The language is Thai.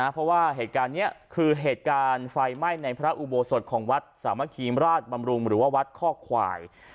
เพราะว่าเหตุการณ์นี้คือเหตุการณ์ไฟไหม้ในพระอุโบสถของวัดสามัคคีมราชบำรุงหรือว่าวัดข้อควาย